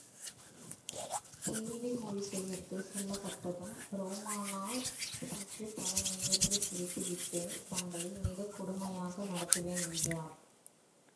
கேள்வி மொழிபெயர்த்துச் சொல்லப்பட்டதும் ரோமானஸ் சற்றுத் தலைநிமிர்ந்து சிரித்துவிட்டு தங்களை மிகக் கொடுமையாக நடத்துவேன் என்றார்.